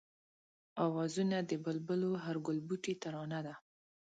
آوازونه د بلبلو هر گلبوټی ترانه ده